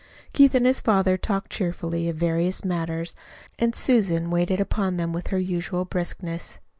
Keith and his father talked cheerfully of various matters, and Susan waited upon them with her usual briskness.